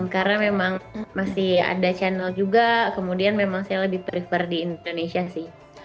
karena memang masih ada channel juga kemudian memang saya lebih prefer di indonesia sih